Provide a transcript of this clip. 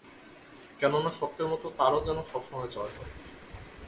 কেননা সত্যের মতো তারও যেন সবসময় জয় হয়!